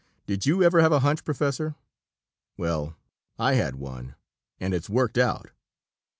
Did you ever have a hunch, Professor? Well, I had one and it's worked out!"